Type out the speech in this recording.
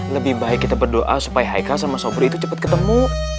lebih baik kita berdoa supaya haika sama sobri itu cepat ketemu